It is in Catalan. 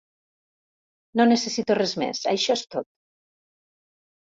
No necessito res més, això és tot!